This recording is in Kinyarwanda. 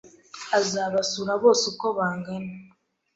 Azabasura bose uko bangana